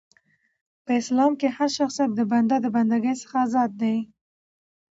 په اسلام کښي هرشخصیت د بنده د بنده ګۍ څخه ازاد دي .